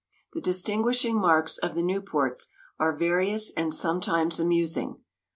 The distinguishing marks of the Nieuports are various and sometimes amusing.